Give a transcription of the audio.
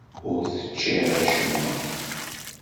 Ur teččiḍ acemma.